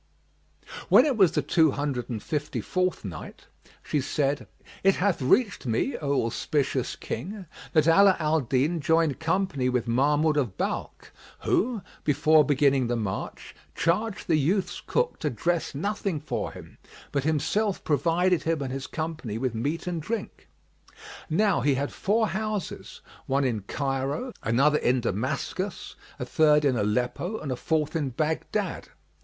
When it was the Two Hundred and Fifty fourth Night, She said, It hath reached me, O auspicious King, that Ala al Din joined company with Mahmud of Balkh who, before beginning the march, charged the youth's cook to dress nothing for him, but himself provided him and his company with meat and drink. Now he had four houses, one in Cairo, another in Damascus, a third in Aleppo and a fourth in Baghdad.